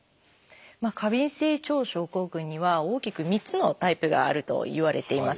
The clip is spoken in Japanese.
過敏性腸症候群には大きく３つのタイプがあるといわれています。